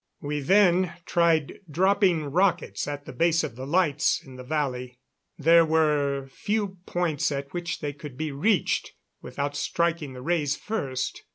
We then tried dropping rockets at the base of the lights in the valley. There were few points at which they could be reached without striking the rays first.